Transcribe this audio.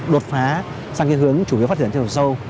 đột phá sang cái hướng chủ yếu phát triển theo dâu